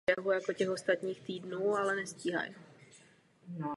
Přispěl k popularizaci a návštěvnosti města jako nového letního horského střediska.